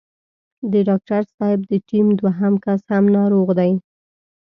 د ډاکټر صاحب د ټيم دوهم کس هم ناروغ دی.